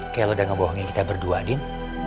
kayak lo udah ngebohongin kita berdua din